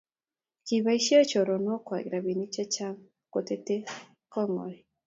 kiboisie chorokwach robinik chechang kotetei kootng'wany